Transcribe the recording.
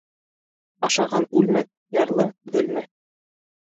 Ашаған үлмәҫ, ярлы бөлмәҫ.